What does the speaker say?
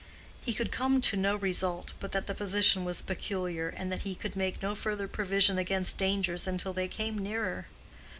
He could come to no result, but that the position was peculiar, and that he could make no further provision against dangers until they came nearer.